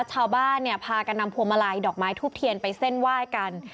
ชาวบ้านเนี่ยพากันนำพวงมาลัยดอกไม้ทูบเทียนไปเส้นไหว้กัน